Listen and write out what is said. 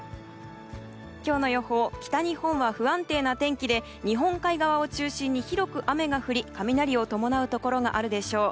今日の予報北日本は不安定な天気で日本海側を中心に広く雨が降り雷を伴うところがあるでしょう。